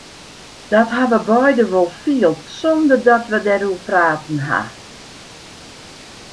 Dat ha we beide wol field sonder dat we dêroer praten ha.